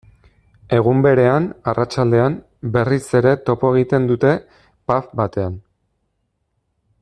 Egun berean, arratsaldean, berriz ere topo egiten dute pub batean.